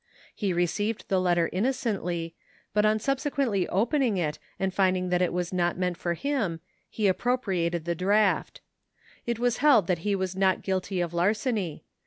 He received the letter inno cently ; but on subsequently opening it and finding that it was not meant for him, he aj^propriatcd the draft. It was held that he was not guilty of larceny.